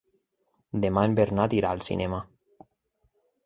Demà en Bernat irà al cinema.